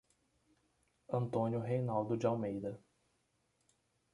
Antônio Reinaldo de Almeida